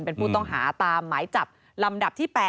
เป็นผู้ต้องหาตามหมายจับลำดับที่๘